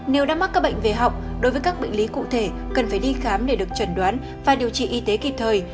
nếu đã mắc các bệnh về họng đối với các bệnh lý cụ thể cần phải đi khám để được chuẩn đoán và điều trị y tế kịp thời